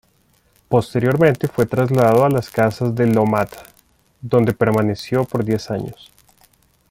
Posteriormente fue trasladado a las Casas de Lo Matta, donde permaneció por diez años.